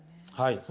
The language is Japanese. はい。